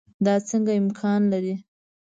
دا څنګه امکان لري.